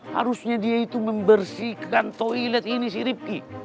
harusnya dia itu membersihkan toilet ini si ripki